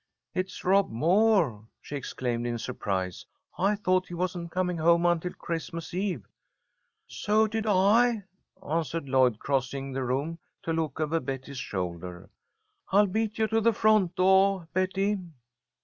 "It's Rob Moore!" she exclaimed, in surprise. "I thought he wasn't coming home until Christmas eve." "So did I," answered Lloyd, crossing the room to look over Betty's shoulder. "I'll beat you to the front doah, Betty."